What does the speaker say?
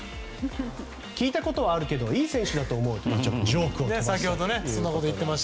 聞いたことはあるけどいい選手だと思うよとジョークを飛ばして。